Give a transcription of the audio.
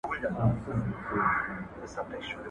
ميرويس خان نيکه څنګه د خلګو امنيت وساته؟